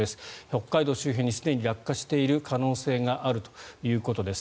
北海道周辺にすでに落下している可能性があるということです。